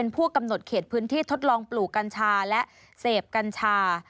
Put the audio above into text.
ผู้กำหนดเขตพื้นที่ทดลองปลูกกัญชาและเสพกัญชา